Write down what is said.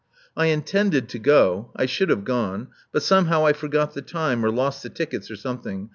I intended to go — I should have gone. But some how I forgot the time, or lost the tickets, or some thing.